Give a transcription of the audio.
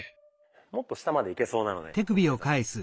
もっと下までいけそうなので浩介さん。